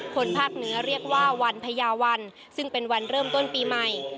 ภาคเหนือเรียกว่าวันพญาวันซึ่งเป็นวันเริ่มต้นปีใหม่